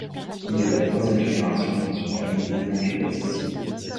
Il est la troisième génération dans une famille de boulangers-pâtissiers.